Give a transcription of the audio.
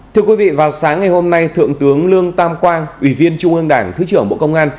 thưa quý vị vào sáng ngày hôm nay thượng tướng lương tam quang ủy viên trung ương đảng thứ trưởng bộ công an